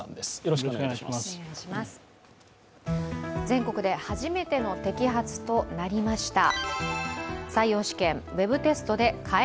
全国で初めての摘発となりました。